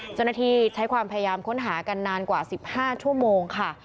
เจ้าหน้าที่ใช้ความพยายามค้นหากันนานกว่า๑๕ชั่วโมงค่ะ